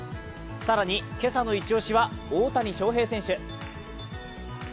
更に、今朝のイチ押しは大谷翔平選手。